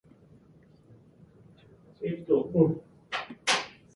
The Letter of Jeremiah portrays itself as a similar piece of correspondence.